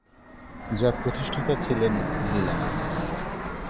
যার প্রতিষ্ঠাতা ছিলেন লীলা নাগ।